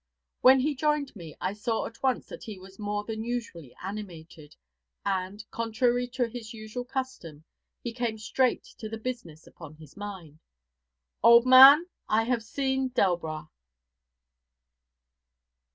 When he joined me, I saw at once that he was more than usually animated, and, contrary to his usual custom, he came straight to the business upon his mind: 'Old man, I have seen Delbras.'